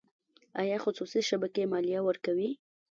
آیا خصوصي شبکې مالیه ورکوي؟